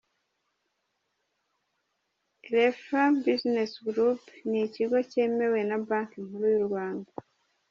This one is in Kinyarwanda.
Elephant Busness Group, ni ikigo cyemewe na Banki Nkuru y’u Rwanda.